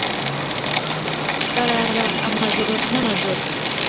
barara amajoro n’amajoro